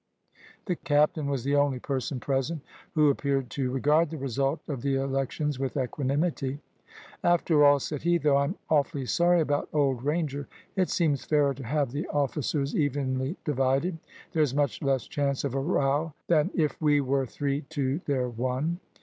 The captain was the only person present who appeared to regard the result of the elections with equanimity. "After all," said he, "though I'm awfully sorry about old Ranger, it seems fairer to have the officers evenly divided. There's much less chance of a row than it we were three to their one."